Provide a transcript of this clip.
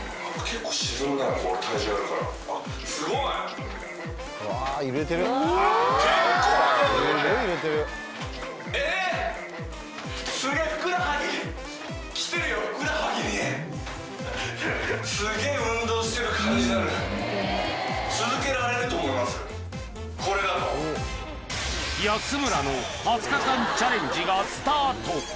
結構これえっこれだと安村の２０日間チャレンジがスタート